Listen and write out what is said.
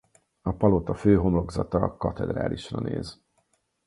A palota főhomlokzata a katedrálisra néz.